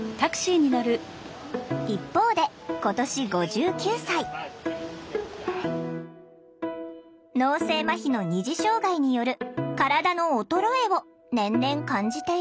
一方で脳性まひの二次障害による「体の衰え」を年々感じている。